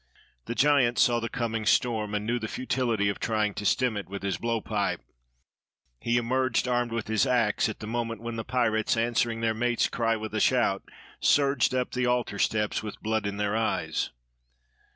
The giant saw the coming storm, and knew the futility of trying to stem it with his blow pipe. He emerged, armed with his ax, at the moment when the pirates, answering their mate's cry with a shout, surged up the altar steps with blood in their eyes.